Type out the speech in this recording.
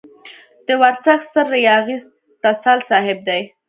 د ورسک ستر ياغي تسل صاحب دی.